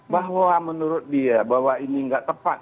bahwa menurut dia bahwa ini nggak tepat